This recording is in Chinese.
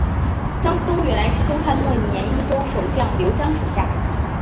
张松原来是东汉末年益州守将刘璋属下。